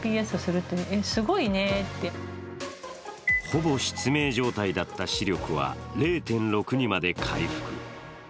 ほぼ失明状態だった視力は０．６にまで回復。